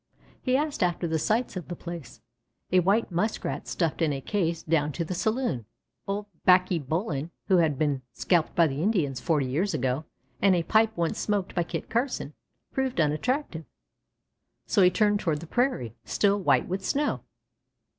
He asked after the sights of the place. A white Muskrat stuffed in a case "down to the saloon"; old Baccy Bullin, who had been scalped by the Indians forty years ago; and a pipe once smoked by Kit Carson, proved unattractive, so he turned toward the prairie, still white with snow.